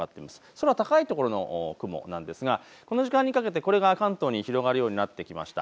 空高い所の雲なんですがこの時間にかけてこれが関東に広がるようになってきました。